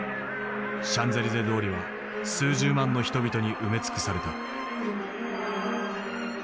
シャンゼリゼ通りは数十万の人々に埋め尽くされた。